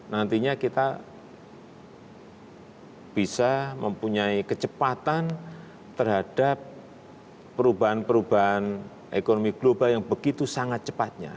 nantinya kita bisa mempunyai kecepatan terhadap perubahan perubahan ekonomi global yang begitu sangat cepatnya